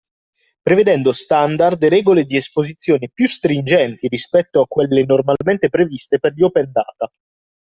Prevedendo standard e regole di esposizione più stringenti rispetto a quelle normalmente previste per gli Open Data.